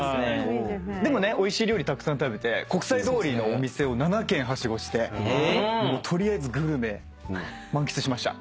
でもねおいしい料理たくさん食べて国際通りのお店を７軒はしごして取りあえずグルメ満喫しました。